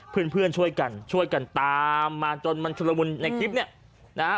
เพื่อนเพื่อนช่วยกันช่วยกันตามมาจนมันชุดละมุนในคลิปเนี่ยนะฮะ